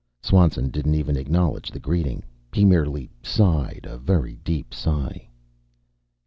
Swanson didn't even acknowledge the greeting. He merely sighed a very deep sigh.